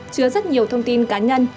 chứa rất nhiều thông tin cá nhân